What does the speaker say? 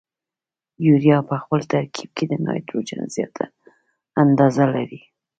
یوریا په خپل ترکیب کې د نایتروجن زیاته اندازه لري.